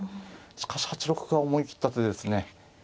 しかし８六歩は思い切った手ですね。